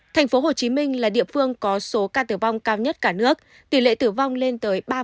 tp hcm là địa phương có số ca tử vong cao nhất cả nước tỷ lệ tử vong lên tới ba tám